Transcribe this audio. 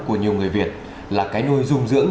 của nhiều người việt là cái nôi dung dưỡng